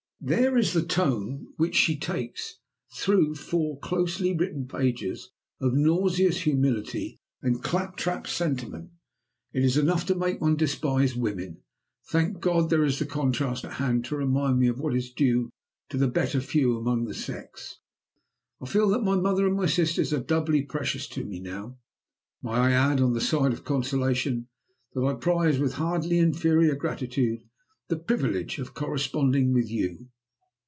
"There is the tone which she takes through four closely written pages of nauseous humility and clap trap sentiment! It is enough to make one despise women. Thank God, there is the contrast at hand to remind me of what is due to the better few among the sex. I feel that my mother and my sisters are doubly precious to me now. May I add, on the side of consolation, that I prize with hardly inferior gratitude the privilege of corresponding with _you?